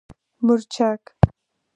🌶 مورچک